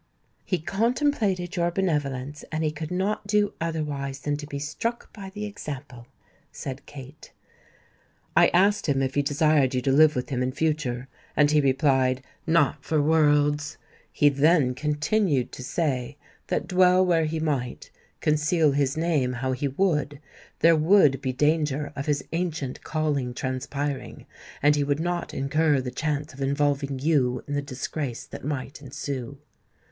"He contemplated your benevolence, and he could not do otherwise than be struck by the example," said Kate. "I asked him if he desired you to live with him in future; and he replied, 'Not for worlds!' He then continued to say that dwell where he might, conceal his name how he would, there would be danger of his ancient calling transpiring; and he would not incur the chance of involving you in the disgrace that might ensue.